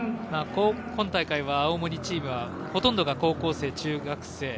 今大会は青森チームはほとんどが高校生、中学生。